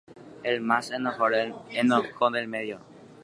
Avave ijapytepekuéra ndikatúi ombojeʼo pe ñande reko.